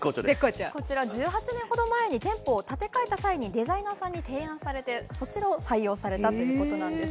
こちら１８年ほど前に店舗を建て替えたときにデザイナーさんに提案されて、そちらを採用されたということなんです。